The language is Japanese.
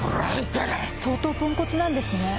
相当ポンコツなんですね。